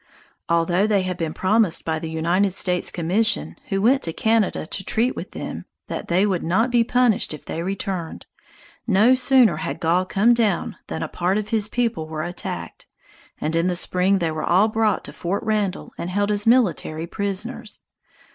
Although they had been promised by the United States commission who went to Canada to treat with them that they would not be punished if they returned, no sooner had Gall come down than a part of his people were attacked, and in the spring they were all brought to Fort Randall and held as military prisoners.